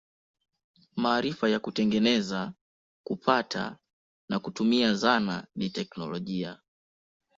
Maarifa ya kutengeneza, kupata na kutumia zana ni teknolojia.